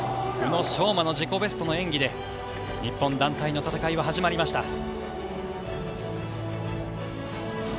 宇野昌磨の自己ベストの演技で日本団体の戦いは始まりました。